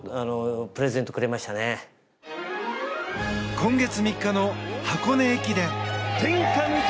今月３日の箱根駅伝。